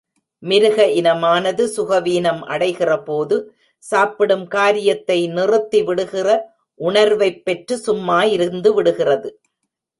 மிருக இனமானது சுகவீனம் அடைகிறபோது சாப்பிடும் காரியத்தை நிறுத்தி விடுகிற உணர்வைப் பெற்று சும்மா இருந்து விடுகிறது.